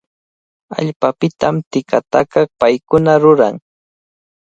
Allpapitami tikataqa paykuna ruran.